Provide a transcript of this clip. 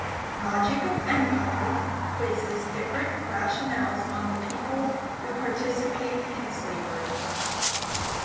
"Logic of Empire" places different rationales on the people who participate in slavery.